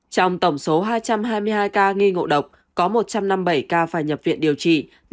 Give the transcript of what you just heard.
trong tổng số hai trăm hai mươi hai ca nghi ngộ độc có một trăm năm mươi bảy ca phải nhập viện điều trị